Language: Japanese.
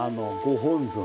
ご本尊。